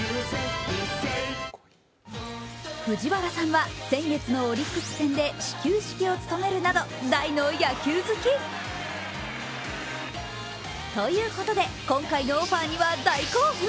藤原さんは先月のオリックス戦で始球式を務めるなど、大の野球好き。ということで、今回のオファーには大興奮。